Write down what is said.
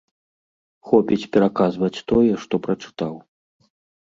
Хопіць пераказваць тое, што прачытаў.